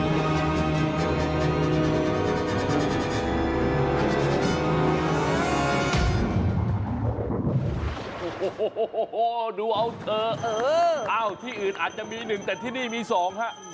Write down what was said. โหดูเอาเถอะเออที่อื่นอาจจะมีหนึ่งแต่ที่นี่มีสองครับ